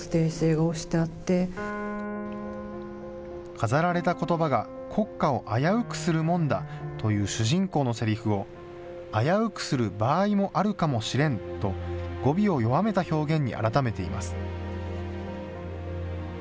飾られた言葉が国家を危うくするもんだという主人公のセリフを、危うくする場合もあるかもしれんと、語尾を弱めた表現に改めています。